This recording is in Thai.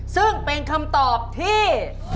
ซึ่งเป็นคำตอบที่